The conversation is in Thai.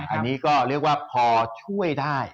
อันนี้ก็เรียกว่าพอช่วยได้